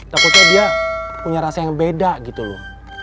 takutnya dia punya rasa yang beda gitu loh